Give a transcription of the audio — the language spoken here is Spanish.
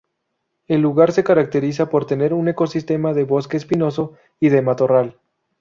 El lugar se caracteriza por tener un ecosistema de bosque espinoso y de matorral.